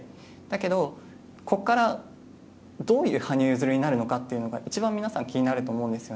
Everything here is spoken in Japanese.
だけど、ここからどういう羽生結弦になるのかというのが一番皆さん気になると思うんです。